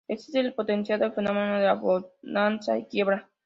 Existe el potencial del fenómeno de la "bonanza y quiebra".